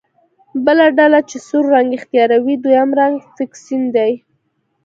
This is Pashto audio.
بله ډله چې سور رنګ اختیاروي دویم رنګ فوکسین دی.